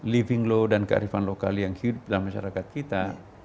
living law dan kearifan lokal yang hidup dalam masyarakat kita